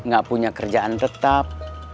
gak punya kerjaan tetap